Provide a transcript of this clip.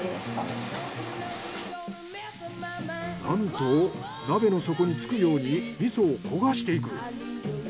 なんと鍋の底につくように味噌を焦がしていく。